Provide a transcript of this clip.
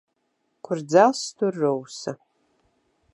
Kur dzelzs, tur rūsa.